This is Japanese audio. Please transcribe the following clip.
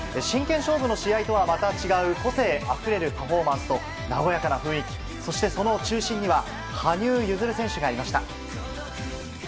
真剣勝負の試合とはまた違う個性あふれるパフォーマンスと和やかな雰囲気そして、その中心には羽生結弦選手がいました。